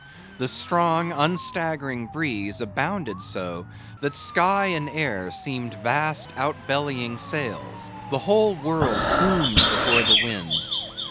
The strong, unstaggering breeze abounded so, that sky and air seemed vast outbellying sails; the whole world boomed before the wind.